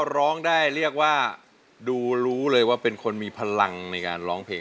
ร้องได้เรียกว่าดูรู้เลยว่าเป็นคนมีพลังในการร้องเพลง